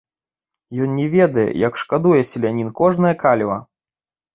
Ён не ведае, як шкадуе селянін кожнае каліва.